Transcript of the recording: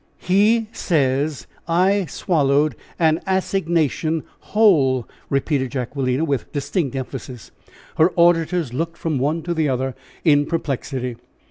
"He says I swallowed an assignation whole!" repeated Jacquelina, with distinct emphasis. Her auditors looked from one to another in perplexity.